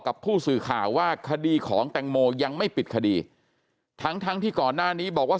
กับผู้สื่อข่าวว่าคดีของแตงโมยังไม่ปิดคดีทั้งทั้งที่ก่อนหน้านี้บอกว่า